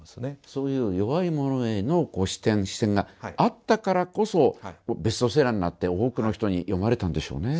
そういう弱い者への視点があったからこそベストセラーになって多くの人に読まれたんでしょうね。